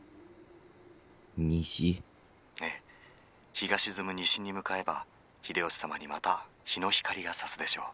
「ええ日が沈む西に向かえば秀吉様にまた日の光がさすでしょう」。